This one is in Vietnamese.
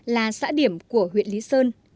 là xã điểm của huyện lý sơn